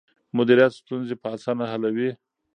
مديريت ستونزې په اسانه حلوي.